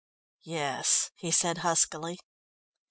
"Yes," he said huskily.